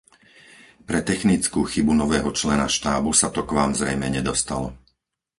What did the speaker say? Pre technickú chybu nového člena štábu sa to k vám zrejme nedostalo.